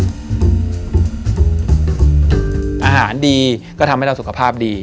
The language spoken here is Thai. อาหารดีก็ทำให้เราสุขภาพดี